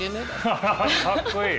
ハハハかっこいい。